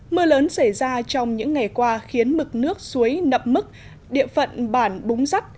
mưa lớn xảy ra trong những ngày qua khiến mực nước suối nậm mức địa phận bản búng rắt